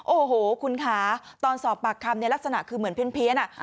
โอ้โหคุณคะตอนสอบปากคำเนี่ยลักษณะคือเหมือนเพี้ยน